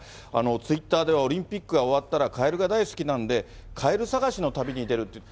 ツイッターではオリンピックが終わったら、カエルが大好きなんで、カエル探しの旅に出るって。